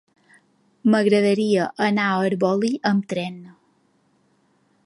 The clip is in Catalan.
M'agradaria anar a Arbolí amb tren.